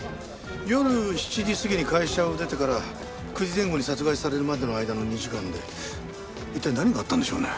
夜７時過ぎに会社を出てから９時前後に殺害されるまでの間の２時間で一体何があったんでしょうね？